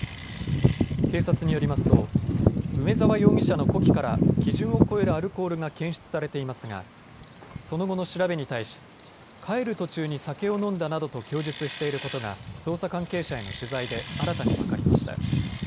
警察によりますと梅澤容疑者の呼気から基準を超えるアルコールが検出されていますがその後の調べに対し帰る途中に酒を飲んだなどと供述していることが捜査関係者への取材で新たに分かりました。